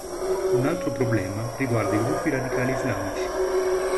Un altro problema riguarda i gruppi radicali islamici.